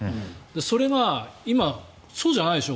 それが今、そうじゃないでしょ。